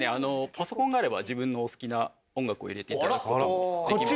パソコンがあれば自分のお好きな音楽を入れて頂く事もできます。